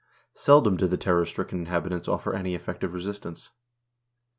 Seldom did the terror stricken inhabitants offer any effective resistance.